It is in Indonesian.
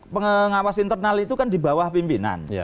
pengawas internal itu kan di bawah pimpinan